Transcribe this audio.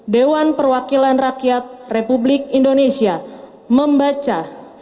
dewan perwakilan rakyat republik indonesia membaca